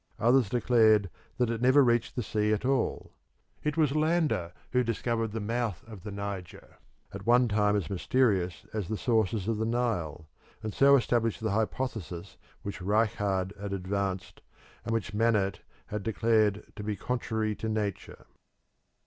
Others declared that it never reached the sea at all. It was Lander who discovered the mouth of the Niger, at one time as mysterious as the sources of the Nile, and so established the hypothesis which Reichard had advanced and which Mannert had declared to be "contrary to nature."